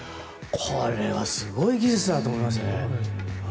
これはすごい技術だと思います。